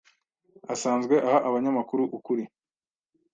asanzwe aha abanyamakuru ukuri